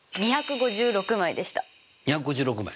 ２５６枚。